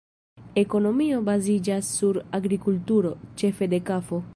Ekonomio baziĝas sur agrikulturo, ĉefe de kafo.